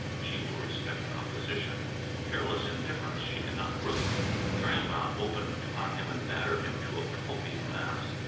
She will respect opposition. Careless indifference she cannot brook. Grandma opened upon him and battered him to a pulpy mass.